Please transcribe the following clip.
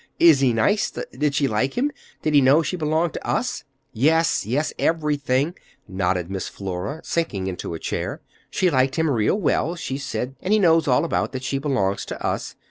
Is he nice? Did she like him? Did he know she belonged to us?" "Yes—yes—everything," nodded Miss Flora, sinking into a chair. "She liked him real well, she said and he knows all about that she belongs to us.